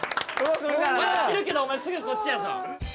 笑ってるけどお前すぐこっちやぞ。